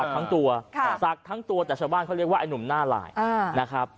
ทั้งตัวศักดิ์ทั้งตัวแต่ชาวบ้านเขาเรียกว่าไอ้หนุ่มหน้าลายนะครับ